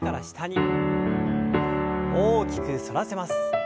大きく反らせます。